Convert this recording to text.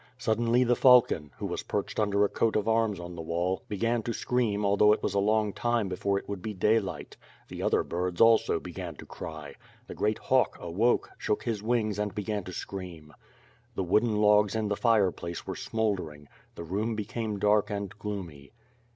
Suddenly the fal con, who was perched under a coat of arms on the wall, began to scream although it was a long time before it would be daylight. The other birds also began to cry. The great hawk awoke, shook his wings and began to scream. The wooden logs in the fireplace were smouldering. The room became dark and gloomy.